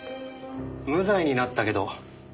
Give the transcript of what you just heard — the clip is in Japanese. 無罪になったけどあれ